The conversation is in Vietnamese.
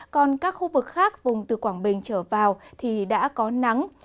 còn các khu vực khác vùng từ quảng bình trở vào thì đã có nắng